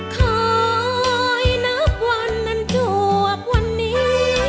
คอยนับวันนั้นจวบวันนี้